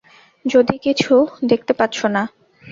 যদিও কিছু দেখতে পাচ্ছো না।